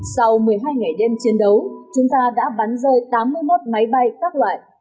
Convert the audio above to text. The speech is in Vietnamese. sau một mươi hai ngày đêm chiến đấu chúng ta đã bắn rơi tám mươi một máy bay các loại